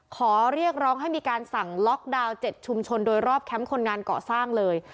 ขอเรียกร้องให้มีการสั่งล็อกดาวน์๗ชุมชนโดยรอบแคมป์คนงานเกาะสร้างเลย